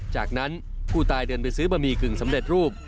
จากนั้นผู้ตายเดินไปซื้อบะหมี่กึ่งสำเร็จรูป